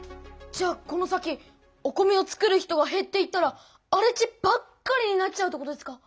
じゃあこの先お米を作る人がへっていったらあれ地ばっかりになっちゃうってことですか？